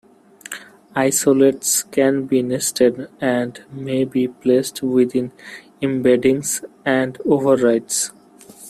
Isolates can be nested, and may be placed within embeddings and overrides.